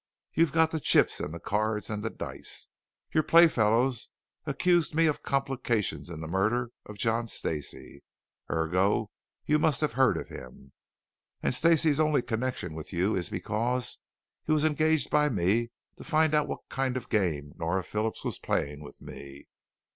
You've got the chips and the cards and the dice. Your playfellows accused me of complications in the murder of John Stacey, ergo you must have heard of him. And Stacey's only connection with you is because he was engaged by me to find out what kind of game Nora Phillips was playing with me.